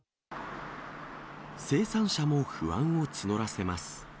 生産者も不安を募らせます。